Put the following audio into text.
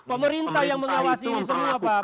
pemerintah yang mengawasi ini semua pak